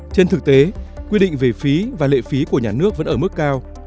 trên thực tế quy định về phí và lệ phí của nhà nước vẫn ở mức cao